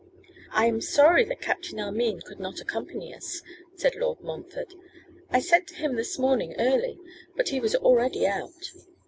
'I am sorry that Captain Armine could not accompany us,' said Lord Montfort. 'I sent to him this morning early, but he was already out.